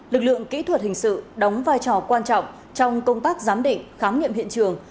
lực lượng kỹ thuật hình sự đóng vai trò quan trọng trong công tác giám định khám nghiệm hiện trường